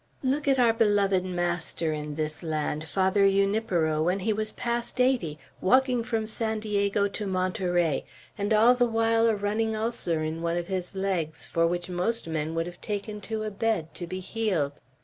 Look at our beloved master in this land, Father Junipero, when he was past eighty, walking from San Diego to Monterey, and all the while a running ulcer in one of his legs, for which most men would have taken to a bed, to be healed.